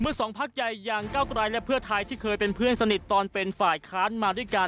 สองพักใหญ่อย่างเก้าไกรและเพื่อไทยที่เคยเป็นเพื่อนสนิทตอนเป็นฝ่ายค้านมาด้วยกัน